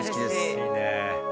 いいね。